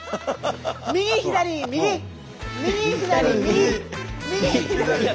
右左右右左右右左右。